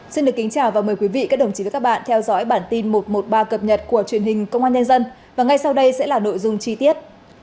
xin được kính chào và mời quý vị các đồng chí và các bạn theo dõi bản tin một trăm một mươi ba cập nhật của truyền hình công an nhân dân và ngay sau đây sẽ là nội dung chi tiết